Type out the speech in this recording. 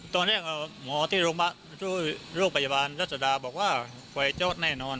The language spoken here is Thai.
ตอนแรกหมอที่โรงพยาบาลรัศดาบอกว่าไฟช็อตแน่นอน